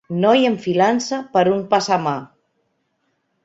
Noi enfilant-se per un passamà.